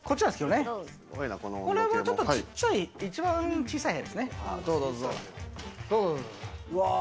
これはちょっとちっちゃい、一番小さい部屋ですね。